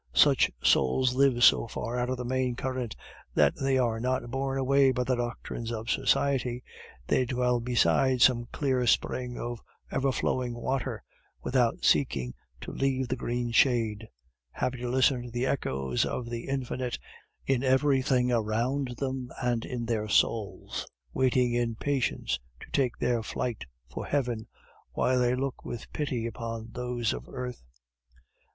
Such souls live so far out of the main current that they are not borne away by the doctrines of society; they dwell beside some clear spring of everflowing water, without seeking to leave the green shade; happy to listen to the echoes of the infinite in everything around them and in their own souls, waiting in patience to take their flight for heaven, while they look with pity upon those of earth.